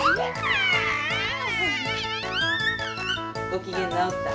ごきげんなおった？